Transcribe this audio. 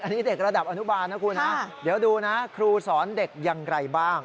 อันนี้เด็กระดับอนุบาลนะครูนะครูนะครูนะครูสอนเด็กอย่างไรบ้าง